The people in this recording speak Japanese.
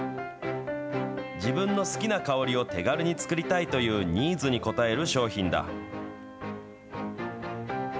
自分の好きな香りを手軽に作りたいというニーズに応える商品だ。